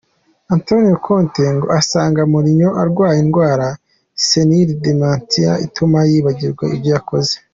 Antonio Conte ngo asanga Mournho arwaye indwara “Senile Dementia” ituma yibagirwa ibyo yakoze